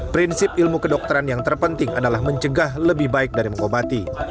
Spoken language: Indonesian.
prinsip ilmu kedokteran yang terpenting adalah mencegah lebih baik dari mengobati